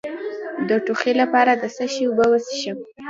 د ټوخي لپاره د څه شي اوبه وڅښم؟